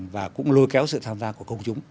và cũng lôi kéo sự tham gia của công chúng